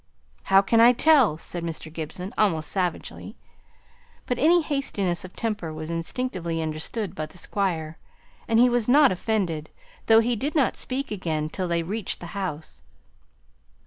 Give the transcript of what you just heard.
"How can I tell?" said Mr. Gibson, almost savagely. But any hastiness of temper was instinctively understood by the Squire; and he was not offended, though he did not speak again till they reached the house.